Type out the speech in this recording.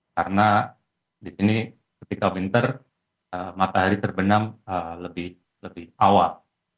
karena disini ketika winter matahari terbenam lebih awal